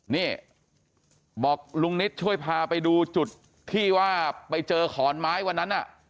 นี่บอกลุงนิดช่วยพาไปดูจุดที่ว่าไปเจอขอนไม้วันนั้น